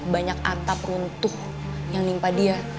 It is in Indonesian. banyak antap runtuh yang nimpa dia